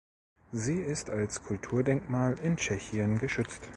Sie ist als Kulturdenkmal in Tschechien geschützt.